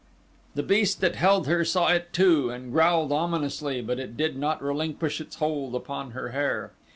The beast that held her saw it too and growled ominously but it did not relinquish its hold upon her hair.